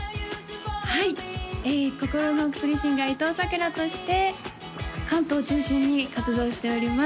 はい「心のお薬シンガー伊藤さくら」として関東を中心に活動しております